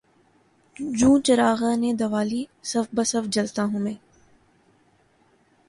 جوں چراغانِ دوالی صف بہ صف جلتا ہوں میں